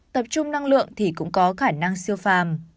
tập trung năng lượng thì cũng có khả năng siêu phàm